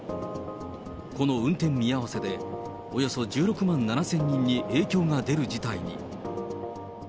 この運転見合わせで、およそ１６万７０００人に影響が出る事態に。